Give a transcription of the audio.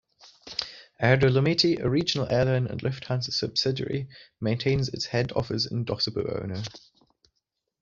Air Dolomiti, a regional airline and Lufthansa subsidiary, maintains its head office in Dossobuono.